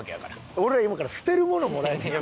俺ら今から捨てるものもらいに行く？